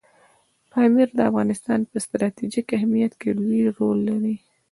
پامیر د افغانستان په ستراتیژیک اهمیت کې لوی رول لري.